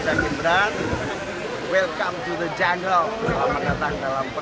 selamat datang dalam pertempuran politik